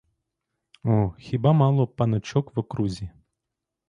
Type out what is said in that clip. О, хіба мало панночок в окрузі?